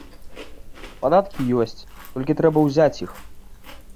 Падаткі ёсць, толькі трэба ўзяць іх.